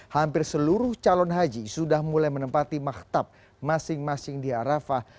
hampir seluruh calon haji sudah mulai menempati maktab masing masing di arafah